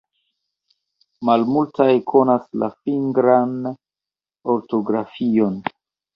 Malmultaj konas la fingran ortografion.